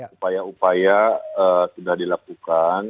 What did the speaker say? upaya upaya sudah dilakukan